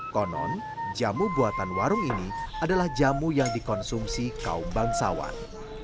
konon jamu buatan warung ini adalah jamu yang dikonsumsi kaum bangsawan